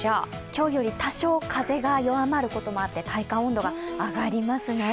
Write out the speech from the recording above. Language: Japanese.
今日より多少、風も弱まることもあって体感温度が上がりますね。